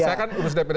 saya kan urus dpd